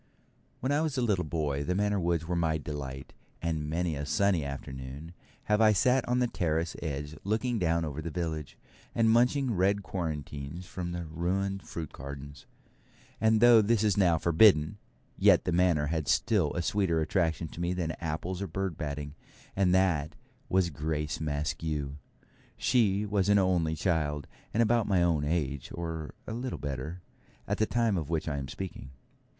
When I was a little boy the Manor woods were my delight, and many a sunny afternoon have I sat on the terrace edge looking down over the village, and munching red quarantines from the ruined fruit gardens. And though this was now forbidden, yet the Manor had still a sweeter attraction to me than apples or bird batting, and that was Grace Maskew. She was an only child, and about my own age, or little better, at the time of which I am speaking.